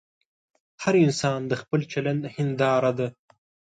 هر انسان د خپل چلند هنداره ده.